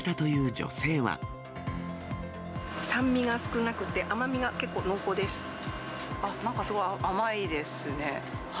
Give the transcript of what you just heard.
酸味が少なくて、甘みが結構なんかすごい甘いですね。